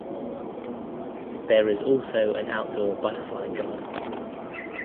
There is also an outdoor butterfly garden.